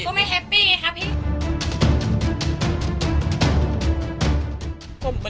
ไม่แฮปปี้ไงครับพี่